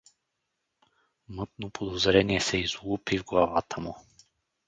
Мътно подозрение се излупи в главата му.